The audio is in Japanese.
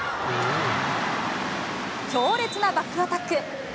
強烈なバックアタック。